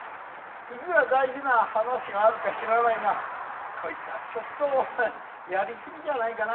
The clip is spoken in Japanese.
いくら大事な話があるか知らないがこいつはちょっとやり過ぎじゃないかな。